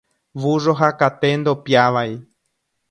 Vúrro ha kate ndopiávai.